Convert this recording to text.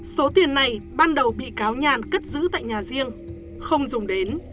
số tiền này ban đầu bị cáo nhàn cất giữ tại nhà riêng không dùng đến